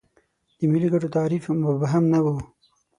د ملي ګټو تعریف مبهم نه و.